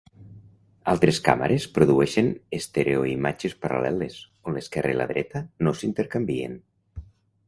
Altres càmeres produeixen estereoimatges paral·leles, on l'esquerra i la dreta no s'intercanvien.